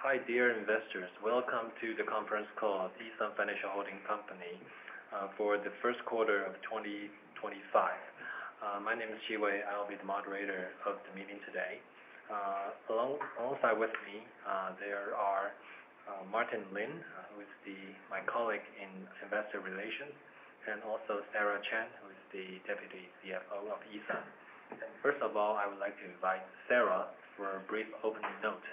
Hi, dear investors. Welcome to the conference call of E.SUN Financial Holding Company for the first quarter of 2025. My name is Qi Wei. I'll be the moderator of the meeting today. Alongside with me, there are Martin Lin, who is my colleague in investor relations, and also Sarah Chen, who is the Deputy CFO of E.SUN. First of all, I would like to invite Sarah for a brief opening note.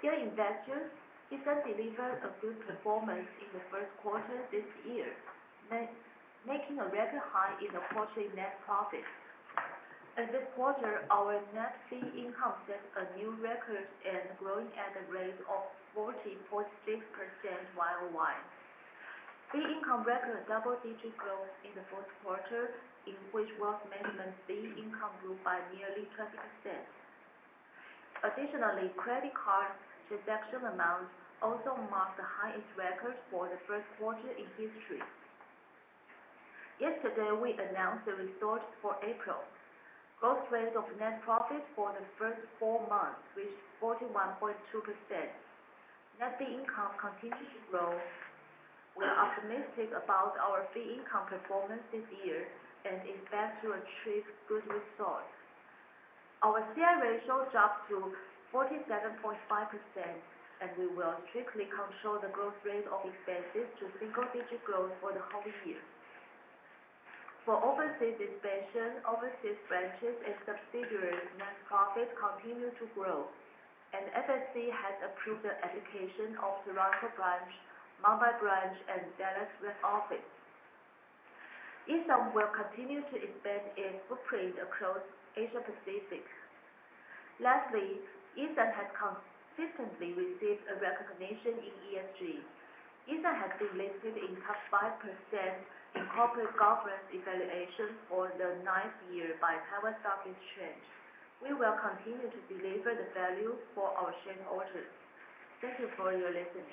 Dear investors, E.SUN delivered a good performance in the first quarter of this year, making a record high in the quarterly net profit. In this quarter, our net fee income set a new record and growing at a rate of 40.6% YOY. Fee income record double-digit growth in the fourth quarter, in which wealth management fee income grew by nearly 20%. Additionally, credit card transaction amount also marked the highest record for the first quarter in history. Yesterday, we announced the results for April. Growth rate of net profit for the first four months reached 41.2%. Net fee income continues to grow. We're optimistic about our fee income performance this year and expect to achieve good results. Our CI ratio jumped to 47.5%, and we will strictly control the growth rate of expenses to single-digit growth for the whole year. For overseas expansion, overseas branches, and subsidiaries, net profit continue to grow. FSC has approved the application of Toronto branch, Mumbai branch, and Dallas branch office. E.SUN will continue to expand its footprint across Asia Pacific. Lastly, E.SUN has consistently received recognition in ESG. E.SUN has been listed in the top 5% in corporate governance evaluations for the ninth year by Taiwan Stock Exchange. We will continue to deliver the value for our shareholders. Thank you for your listening.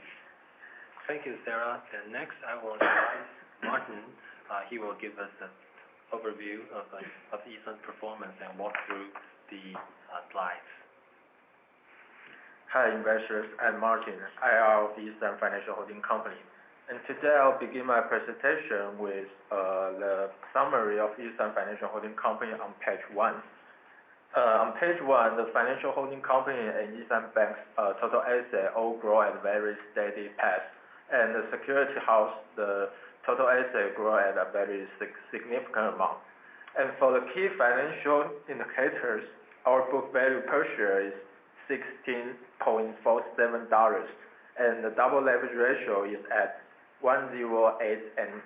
Thank you, Sarah. Next, I will invite Martin. He will give us an overview of E.SUN's performance and walk through the slides. Hi, investors. I'm Martin, IR of E.SUN Financial Holding Company. Today, I'll begin my presentation with the summary of E.SUN Financial Holding Company on page one. On page one, the Financial Holding Company and E.SUN Bank's total assets all grow at a very steady path. The security house, the total assets grow at a very significant amount. For the key financial indicators, our book value per share is 16.47 dollars, the double leverage ratio is at 108.10%.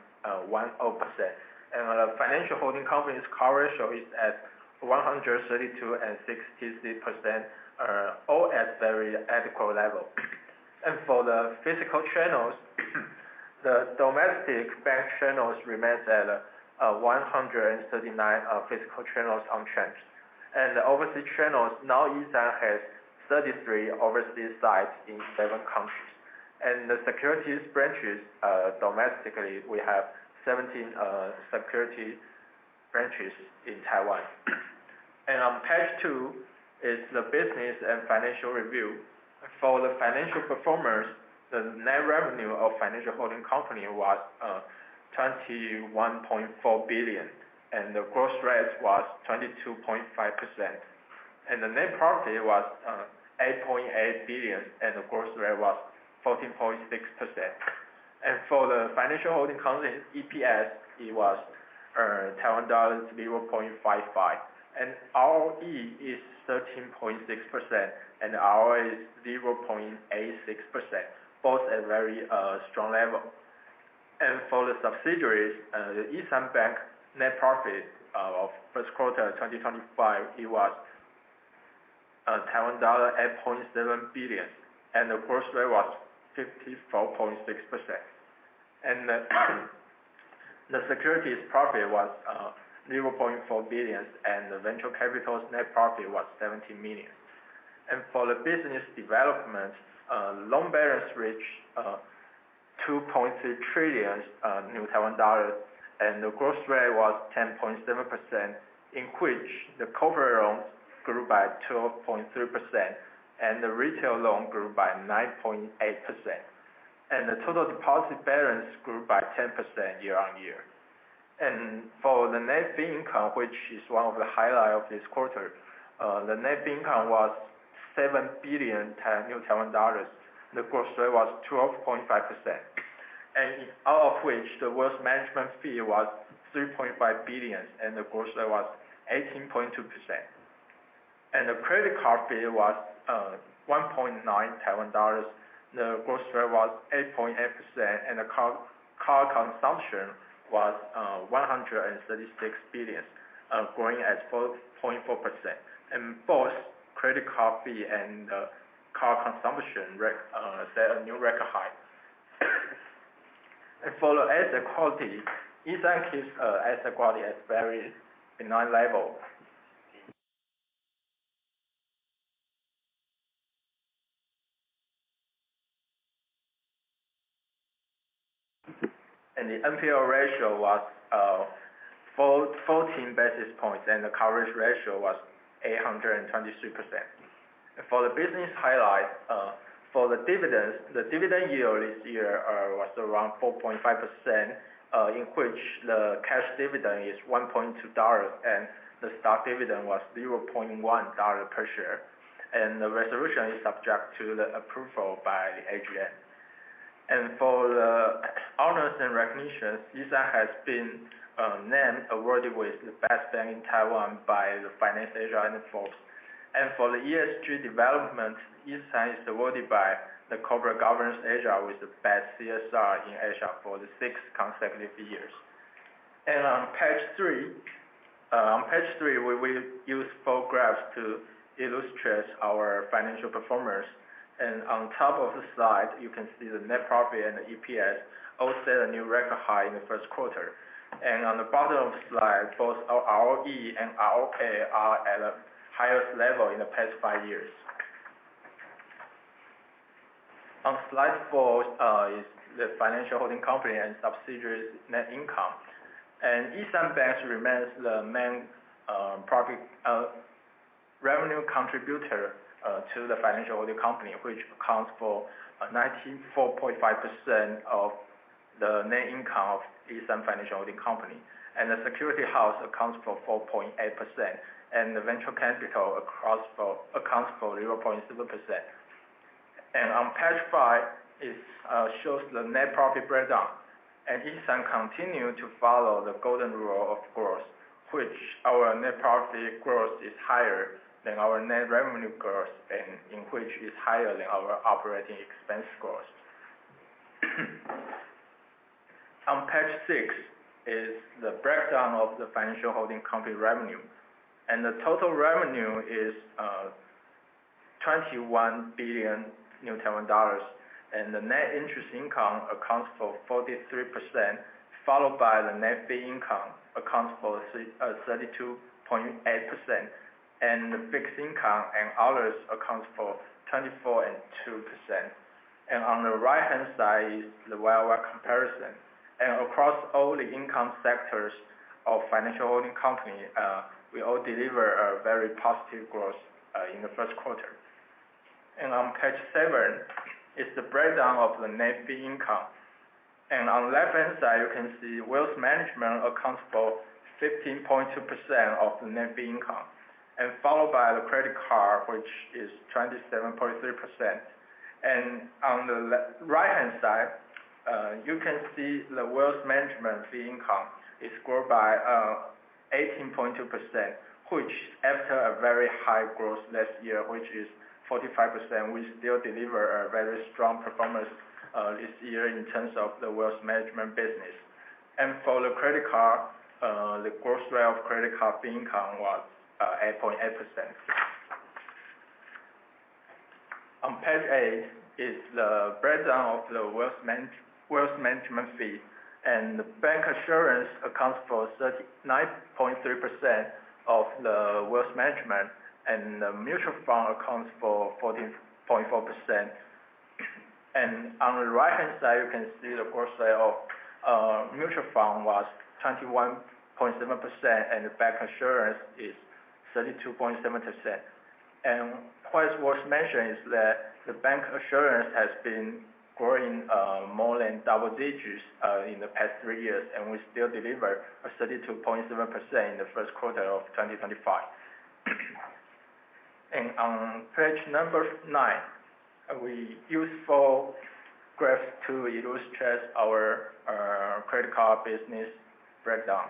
The financial holding company's coverage is at 132.63%, all at very adequate level. For the physical channels, the domestic bank channels remain at 139 physical channels unchanged. The overseas channels, now E.SUN has 33 overseas sites in seven countries. The securities branches, domestically, we have 17 security branches in Taiwan. On page two is the business and financial review. For the financial performance, the net revenue of financial holding company was 21.4 billion, the growth rate was 22.5%. The net profit was 8.8 billion, the growth rate was 14.6%. For the financial holding company EPS, it was Taiwan dollars 0.55, ROE is 13.6%, ROA is 0.86%, both at very strong level. For the subsidiaries, the E.SUN Bank net profit of first quarter 2025, it was Taiwan dollar 8.7 billion, the growth rate was 54.6%. The securities profit was 0.4 billion, the venture capital's net profit was 70 million. For the business development, loan balance reached 2.3 trillion, the growth rate was 10.7%, in which the corporate loans grew by 12.3%, the retail loan grew by 9.8%. The total deposit balance grew by 10% year-on-year. For the net fee income, which is one of the highlights of this quarter, the net fee income was 7 billion, the growth rate was 12.5%, out of which the wealth management fee was 3.5 billion, the growth rate was 18.2%. The credit card fee was 1.9 billion Taiwan dollars, the growth rate was 8.8%, the card consumption was 136 billion, growing at 4.4%. Both credit card fee and card consumption set a new record high. For the asset quality, E.SUN keeps asset quality at very benign levels. The NPL ratio was 14 basis points, the coverage ratio was 823%. For the business highlight, for the dividends, the dividend yield this year was around 4.5%, in which the cash dividend is 1.2 dollars, the stock dividend was 0.1 dollar per share. The resolution is subject to the approval by the AGM. For the honors and recognitions, E.SUN has been named, awarded with the best bank in Taiwan by FinanceAsia and Forbes. For the ESG development, E.SUN is awarded by the Asian Corporate Governance Association with the best CSR in Asia for the sixth consecutive years. On page three, we will use four graphs to illustrate our financial performance. On top of the slide, you can see the net profit and the EPS all set a new record high in the first quarter. On the bottom of the slide, both our ROE and ROA are at the highest level in the past five years. On slide four is the financial holding company and subsidiaries net income. E.SUN Bank remains the main revenue contributor to the financial holding company, which accounts for 94.5% of the net income of E.SUN Financial Holding Company. The security house accounts for 4.8%, and the venture capital accounts for 0.7%. On page five, it shows the net profit breakdown. E.SUN continue to follow the golden rule, of course, which our net profit growth is higher than our net revenue growth, and which is higher than our operating expense growth. On page six is the breakdown of the financial holding company revenue. The total revenue is 21 billion, and the net interest income accounts for 43%, followed by the net fee income, accounts for 32.8%, and the fixed income and others accounts for 24.2%. On the right-hand side is the year-over-year comparison. Across all the income sectors of financial holding company, we all deliver a very positive growth in the first quarter. On page seven is the breakdown of the net fee income. On left-hand side, you can see wealth management accounts for 15.2% of the net fee income, followed by the credit card, which is 27.3%. On the right-hand side, you can see the wealth management fee income is grown by 18.2%, which after a very high growth last year, which is 45%, we still deliver a very strong performance this year in terms of the wealth management business. For the credit card, the growth rate of credit card fee income was 8.8%. On page eight is the breakdown of the wealth management fee, and the bancassurance accounts for 39.3% of the wealth management, and the mutual fund accounts for 14.4%. On the right-hand side, you can see the growth rate of mutual fund was 21.7%, and the bancassurance is 32.7%. What is worth mentioning is that the bancassurance has been growing more than double digits in the past three years, and we still deliver a 32.7% in the first quarter of 2025. On page nine, we use four graphs to illustrate our credit card business breakdown.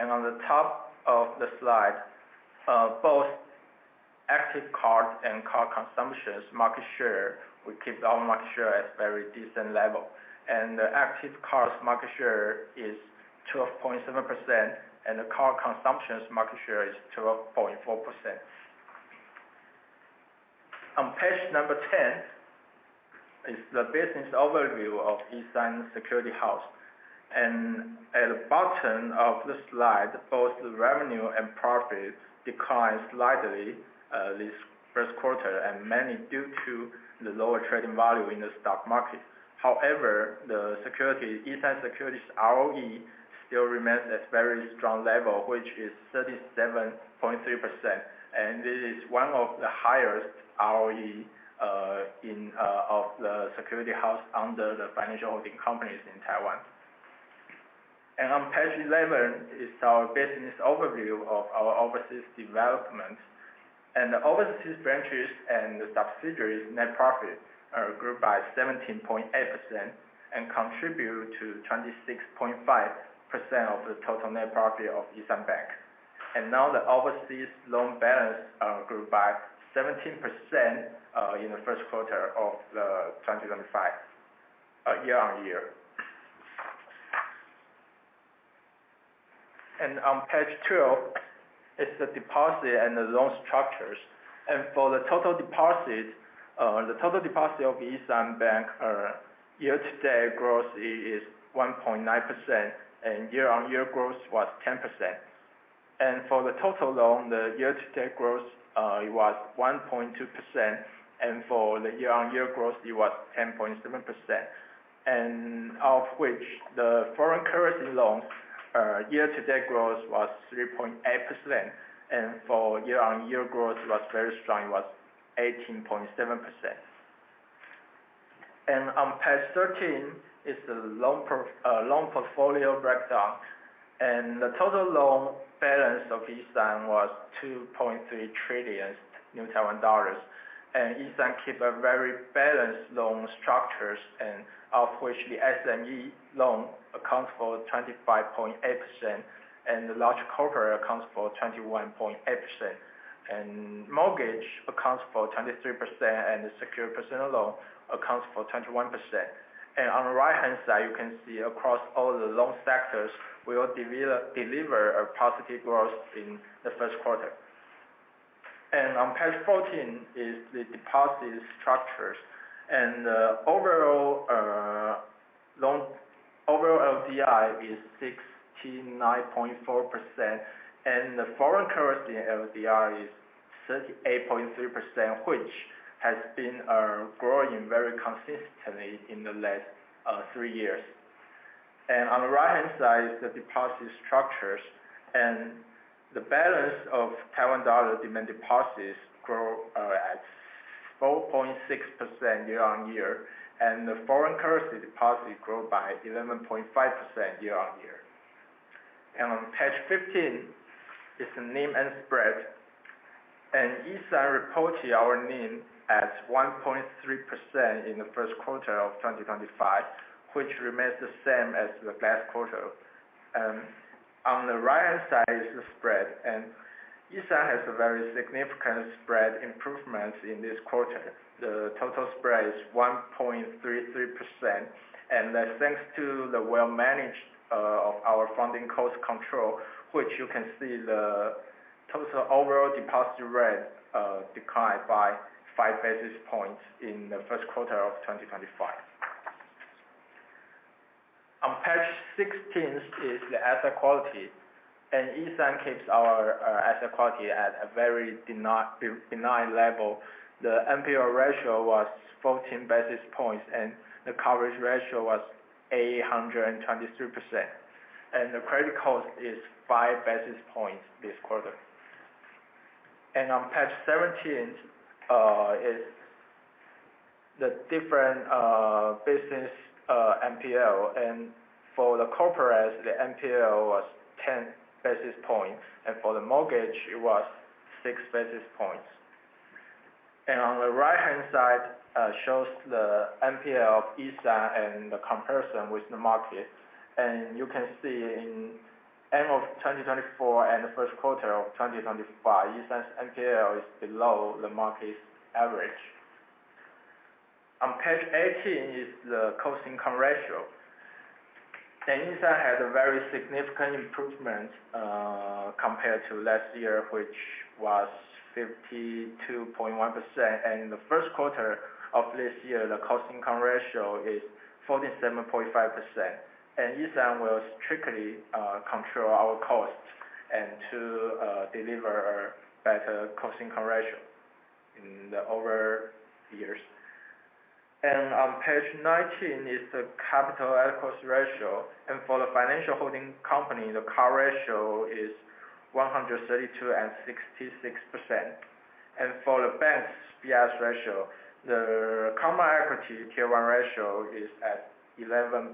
On the top of the slide, both active card and card consumptions market share, we keep our market share at very decent level. The active card's market share is 12.7%, and the card consumption's market share is 12.4%. On page 10 is the business overview of E.SUN Security House. At the bottom of the slide, both the revenue and profit declined slightly this first quarter, mainly due to the lower trading value in the stock market. However, E.SUN Securities' ROE still remains at very strong level, which is 37.3%, and this is one of the highest ROE of the security house under the financial holding companies in Taiwan. On page 11 is our business overview of our overseas development. The overseas branches and the subsidiaries net profit grew by 17.8% and contribute to 26.5% of the total net profit of E.SUN Bank. Now the overseas loan balance grew by 17% in the first quarter of 2025, year-over-year. On page 12 is the deposit and the loan structures. For the total deposit of E.SUN Bank, year-to-date growth is 1.9%, and year-on-year growth was 10%. For the total loan, the year-to-date growth, it was 1.2%, and for the year-on-year growth, it was 10.7%. Of which the foreign currency loans year-to-date growth was 3.8%, and for year-on-year growth was very strong, it was 18.7%. On page 13 is the loan portfolio breakdown. The total loan balance of E.SUN was 2.3 trillion. E.SUN keeps a very balanced loan structures, of which the SME loan accounts for 25.8%, and the large corporate accounts for 21.8%. Mortgage accounts for 23%, and the secured personal loan accounts for 21%. On the right-hand side, you can see across all the loan sectors, we will deliver a positive growth in the first quarter. On page 14 is the deposit structures. The overall LDR is 69.4%, and the foreign currency LDR is 38.3%, which has been growing very consistently in the last three years. On the right-hand side is the deposit structures. The balance of Taiwan dollar demand deposits grew at 4.6% year-on-year, and the foreign currency deposit grew by 11.5% year-on-year. On page 15 is the NIM and spread. E.SUN reported our NIM as 1.3% in the first quarter of 2025, which remains the same as the last quarter. On the right-hand side is the spread, E.SUN has a very significant spread improvement in this quarter. The total spread is 1.33%, and that's thanks to the well-managed of our funding cost control, which you can see the total overall deposit rate declined by five basis points in the first quarter of 2025. On page 16 is the asset quality. E.SUN keeps our asset quality at a very benign level. The NPL ratio was 14 basis points, and the coverage ratio was 823%. The credit cost is five basis points this quarter. On page 17 is the different business NPL, for the corporates, the NPL was 10 basis points, and for the mortgage, it was six basis points. On the right-hand side, shows the NPL of E.SUN and the comparison with the market. You can see in end of 2024 and the first quarter of 2025, E.SUN's NPL is below the market's average. On page 18 is the Cost-Income Ratio. E.SUN had a very significant improvement compared to last year, which was 52.1%. In the first quarter of this year, the Cost-Income Ratio is 47.5%. E.SUN will strictly control our costs and to deliver a better Cost-Income Ratio in the over years. On page 19 is the capital adequacy ratio. For the financial holding company, the CAR ratio is 132.66%. For the bank's BIS ratio, the common equity Tier 1 ratio is at 11.63%,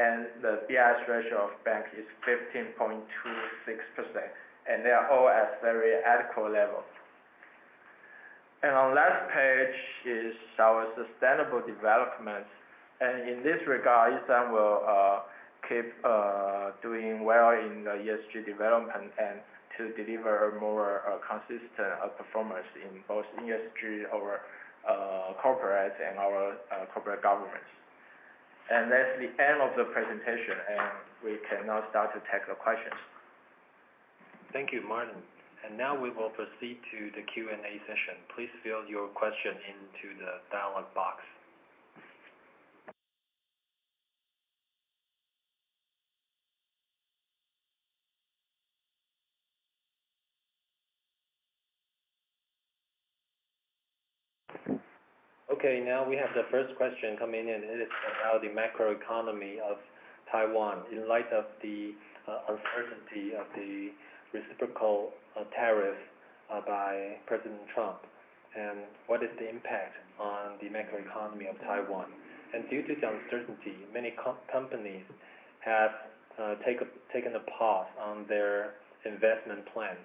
and the BIS ratio of bank is 15.26%, and they are all at very adequate level. On last page is our sustainable development. In this regard, E.SUN will keep doing well in the ESG development and to deliver a more consistent performance in both ESG or corporate and our corporate governance. That's the end of the presentation, we can now start to take the questions. Thank you, Martin. Now we will proceed to the Q&A session. Please fill your question into the dialog box. Okay, now we have the first question coming in, it is about the macroeconomy of Taiwan. In light of the uncertainty of the reciprocal tariff by President Trump, what is the impact on the macroeconomy of Taiwan? Due to the uncertainty, many companies have taken a pause on their investment plans.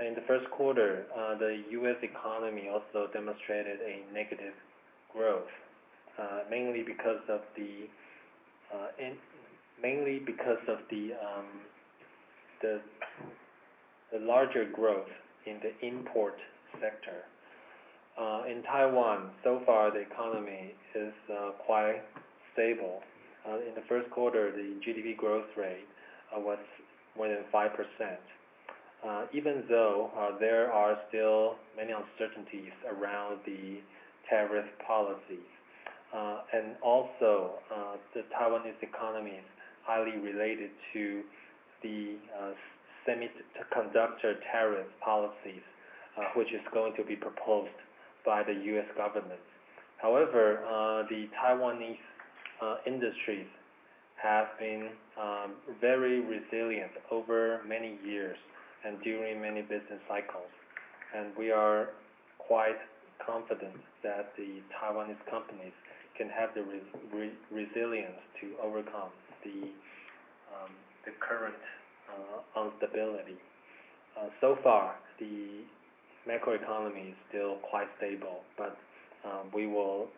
In the first quarter, the U.S. economy also demonstrated a negative growth, mainly because of the larger growth in the import sector. In Taiwan, so far the economy is quite stable. In the first quarter, the GDP growth rate was more than 5%. Though there are still many uncertainties around the tariff policies, also the Taiwanese economy is highly related to the semiconductor tariff policies, which is going to be proposed by the U.S. government. The Taiwanese industries have been very resilient over many years and during many business cycles, and we are quite confident that the Taiwanese companies can have the resilience to overcome the current instability. So far, the macroeconomy is still quite stable, but we will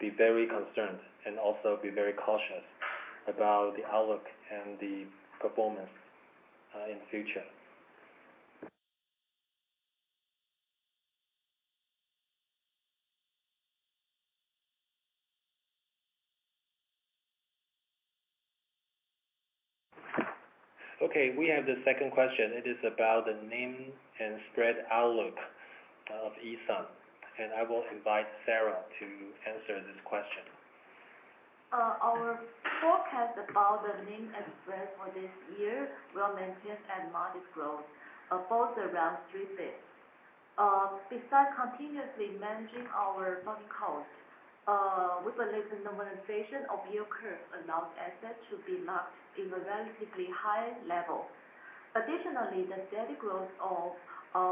be very concerned and also be very cautious about the outlook and the performance in future. We have the second question. It is about the NIM and spread outlook of E.SUN, and I will invite Sarah to answer this question. Our forecast about the NIM and spread for this year will maintain at modest growth, both around three bits. Besides continuously managing our funding cost, we believe the normalization of yield curve allows assets to be locked in a relatively high level. The steady growth of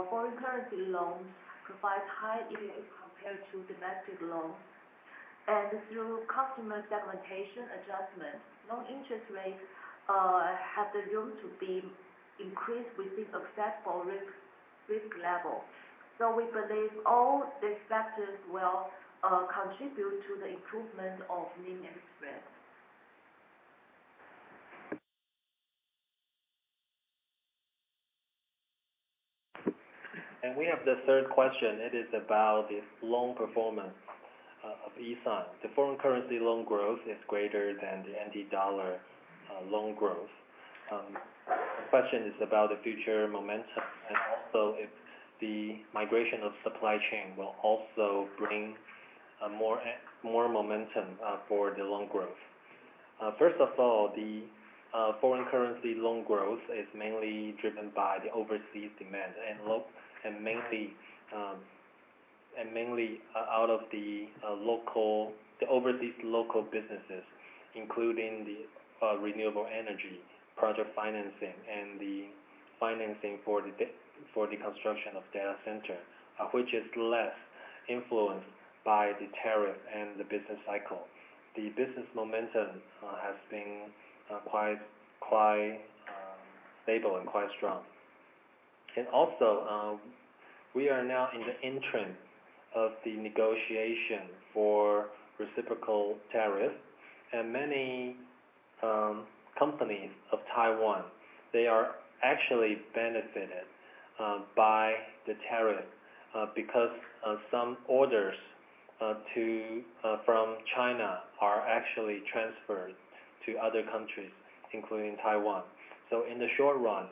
foreign currency loans provides high yield compared to domestic loans. Through customer segmentation adjustments, loan interest rates have the room to be increased within acceptable risk level. We believe all these factors will contribute to the improvement of NIM and spread. We have the third question. It is about the loan performance of E.SUN. The foreign currency loan growth is greater than the TWD loan growth. The question is about the future momentum and also if the migration of supply chain will also bring more momentum for the loan growth. First of all, the foreign currency loan growth is mainly driven by the overseas demand, and mainly out of the overseas local businesses, including the renewable energy project financing and the financing for the construction of data center, which is less influenced by the tariff and the business cycle. The business momentum has been quite stable and quite strong. Also, we are now in the entrance of the negotiation for reciprocal tariff. Many companies of Taiwan, they are actually benefited by the tariff, because some orders from China are actually transferred to other countries, including Taiwan. In the short run,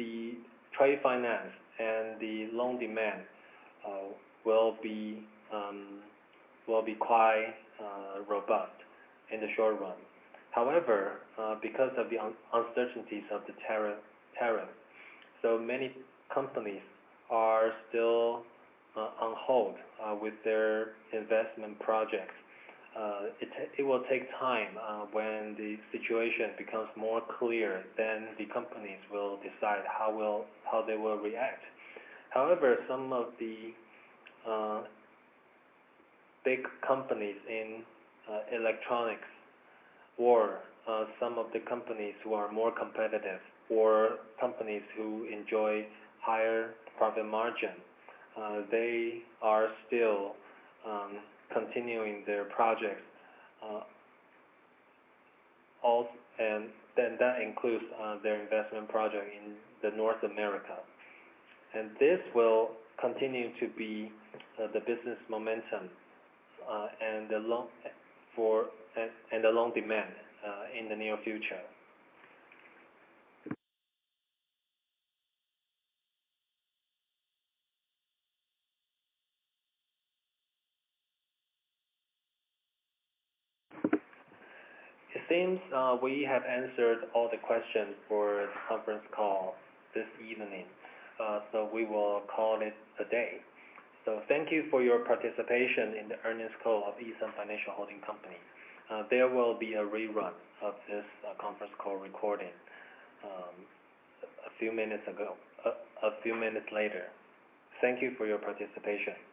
the trade finance and the loan demand will be quite robust in the short run. However, because of the uncertainties of the tariff, so many companies are still on hold with their investment projects. It will take time when the situation becomes more clear, then the companies will decide how they will react. However, some of the big companies in electronics or some of the companies who are more competitive or companies who enjoy higher profit margin, they are still continuing their projects, and that includes their investment project in the North America. This will continue to be the business momentum and the loan demand in the near future. It seems we have answered all the questions for the conference call this evening, so we will call it a day. Thank you for your participation in the earnings call of E.SUN Financial Holding Company. There will be a rerun of this conference call recording a few minutes later. Thank you for your participation. Goodbye.